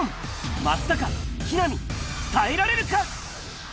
松坂、木南、耐えられるか？